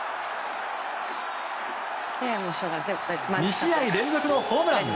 ２試合連続のホームラン。